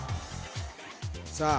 さあ